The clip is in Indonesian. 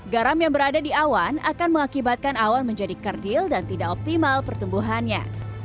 garam yang berada di awan akan mengakibatkan awan menjadi kerdil dan tidak optimal pertumbuhannya